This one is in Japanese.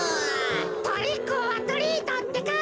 トリックオアトリートってか。